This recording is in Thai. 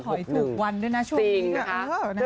ถอยถูกวันด้วยนะช่วงนี้